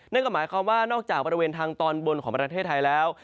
นั่นก็หมายความว่านอกจากบริเวณทางตอนบนของประเทศไทยแล้ว